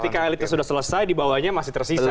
ketika elitnya sudah selesai di bawahnya masih tersisa